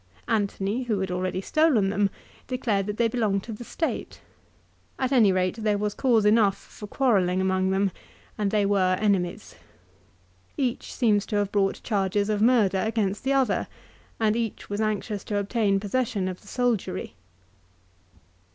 Antony, who had already stolen them, declared that they belonged to the State. At any rate there was cause enough for quarrelling among them, and they were enemies. Each seems to have brought charges of murder against the other, and each was anxious to obtain possession of the soldiery.